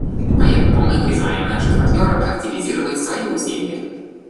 Поэтому мы призываем наших партнеров активизировать свои усилия.